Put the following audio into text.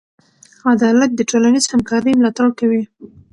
عدالت د ټولنیز همکارۍ ملاتړ کوي.